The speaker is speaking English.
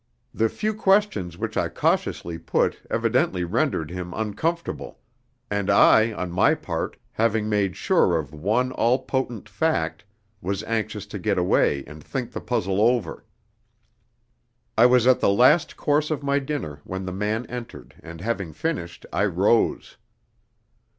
The few questions which I cautiously put evidently rendered him uncomfortable, and I on my part, having made sure of one all potent fact, was anxious to get away and think the puzzle over. I was at the last course of my dinner when the man entered, and having finished I rose.